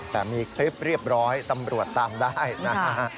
แต่มีคลิปเรียบร้อยตำรวจตามได้นะฮะ